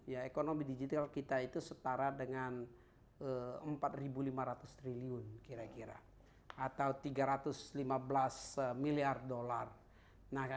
ya ekonomi digital kita itu setara dengan empat lima ratus triliun kira kira atau tiga ratus lima belas miliar dolar nah